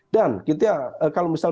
dan kita kalau misal